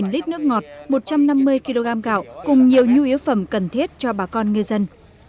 một mươi lít nước ngọt một trăm năm mươi kg gạo cùng nhiều nhu yếu phẩm cần thiết cho bà con ngư dân